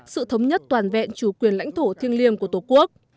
sự thống nhất toàn vẹn chủ quyền lãnh thổ thiêng liêng của tổ quốc